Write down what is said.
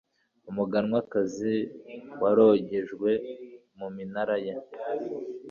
umuganwakazi warogejwe muminara ye